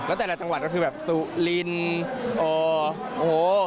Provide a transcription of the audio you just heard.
แล้วแต่ละจังหวัดก็คือแบบสุรินโอ้โห